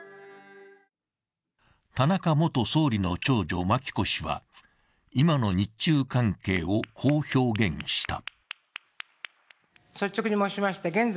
田中元総理の長女・真紀子氏は今の日中関係をこう表現した。